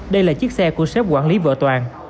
đây là chiếc xe của xếp quản lý vợ toàn